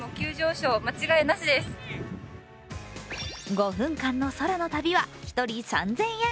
５分間の空の旅は１人３０００円。